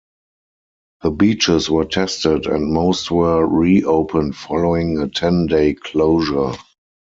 The beaches were tested and most were reopened following a ten-day closure.